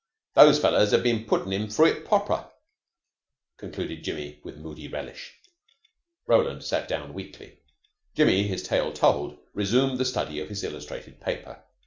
Those fellers 'ad been putting 'im froo it proper," concluded Jimmy with moody relish. Roland sat down weakly. Jimmy, his tale told, resumed the study of his illustrated paper.